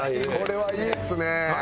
これはいいですね！